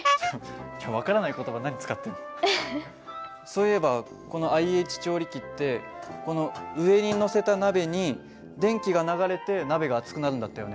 そういえばこのＩＨ調理器ってこの上に載せた鍋に電気が流れて鍋が熱くなるんだったよね。